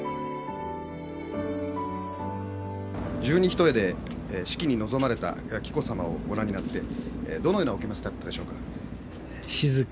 十二ひとえで式に臨まれた紀子さまをご覧になって、どのようなお気持ちだったでしょうか。